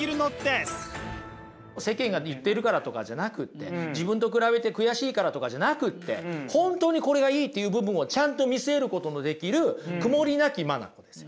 世間が言ってるからとかじゃなくって自分と比べて悔しいからとかじゃなくって本当にこれがいいっていう部分をちゃんと見据えることのできる曇りなき眼ですよ。